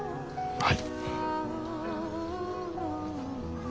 はい？